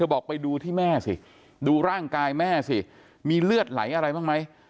บอกไปดูที่แม่สิดูร่างกายแม่สิมีเลือดไหลอะไรบ้างไหม